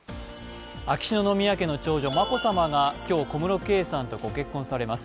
秋篠宮家の長女・眞子さまが今日、小室圭さんと結婚されます。